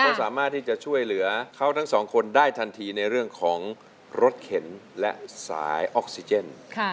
ก็สามารถที่จะช่วยเหลือเขาทั้งสองคนได้ทันทีในเรื่องของรถเข็นและสายออกซิเจน